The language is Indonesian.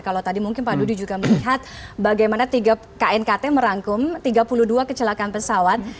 kalau tadi mungkin pak dudi juga melihat bagaimana tiga knkt merangkum tiga puluh dua kecelakaan pesawat